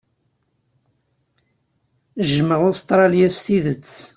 Jjmeɣ Ustṛalya s tidet.